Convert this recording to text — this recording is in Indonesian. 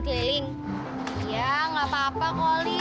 kamu yang kecil